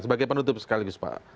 sebagai penutup sekali lagi